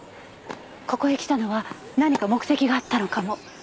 ここへ来たのは何か目的があったのかも。